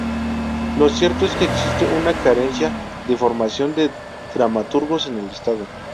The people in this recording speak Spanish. Lo cierto es que existe una carencia de formación de dramaturgos en el Estado.